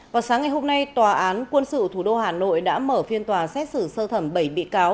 vào sáng ngày hôm nay tòa án quân sự thủ đô hà nội đã mở phiên tòa xét xử sơ thẩm bảy bị cáo